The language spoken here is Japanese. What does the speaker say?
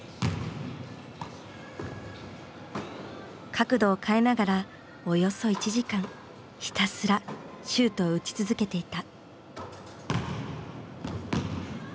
角度を変えながらおよそ１時間ひたすらシュートを打ち続けていた。